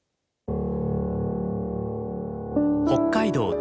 北海道